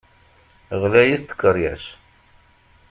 Ɣlayit tkeṛyas.